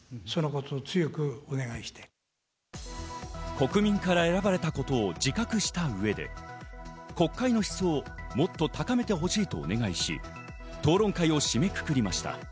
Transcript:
国民から選ばれたことを自覚した上で、国会の質をもっと高めてほしいとお願いし、討論会を締めくくりました。